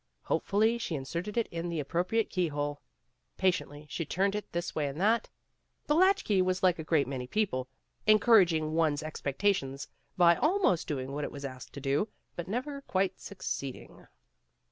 Hopefully she inserted it in the appropriate key hole. Patiently she turned it this way and that. The latch key was like a great many people, encouraging one's ex pectations by almost doing what it was asked to do, but never quite succeeding.